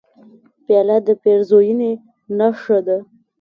پیاله د پیرزوینې نښه ده.